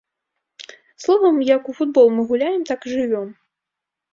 Словам, як у футбол мы гуляем, так і жывём.